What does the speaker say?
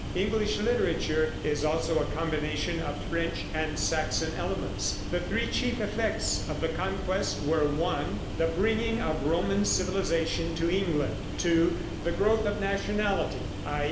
English literature is also a combination of French and Saxon elements. The three chief effects of the conquest were (1) the bringing of Roman civilization to England; (2) the growth of nationality, i.